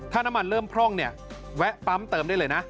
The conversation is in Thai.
ถ้าน้ำมันเริ่มพร่องเนี่ยแวะปั๊มเติมได้เลยนะ